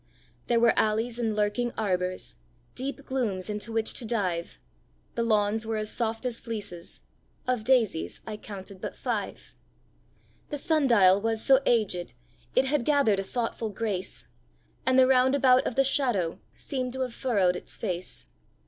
There were alleys and lurking arbours Deep glooms into which to dive; The lawns were as soft as fleeces Of daisies I counted but five. The sun dial was so aged It had gathered a thoughtful grace; And the round about of the shadow Seemed to have furrowed its face.